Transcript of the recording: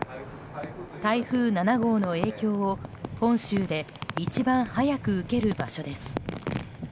台風７号の影響を本州で一番早く受ける場所です。